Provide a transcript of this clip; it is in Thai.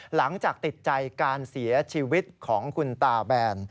หลังจากติดใจการเสียชีวิตของคุณตาแบน